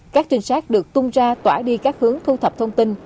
các trinh sát được tung ra tỏa đi các hướng thu thập thông tin